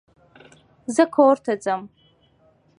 زه کورته ځم